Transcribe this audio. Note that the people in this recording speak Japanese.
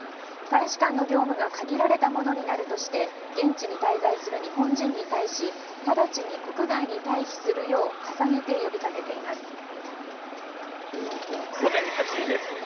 大使館の業務が限られたものになるとして現地に滞在する日本人に対しただちに国外に退避するよう重ねて呼びかけています。